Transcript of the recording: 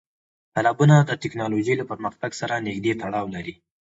تالابونه د تکنالوژۍ له پرمختګ سره نږدې تړاو لري.